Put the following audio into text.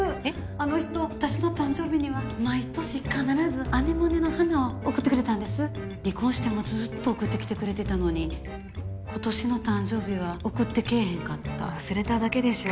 あの人私の誕生日には毎年必ずアネモネの花を送ってくれたんです離婚してもずっと送ってきてくれてたのに今年の誕生日は送ってけえへんかった忘れただけでしょう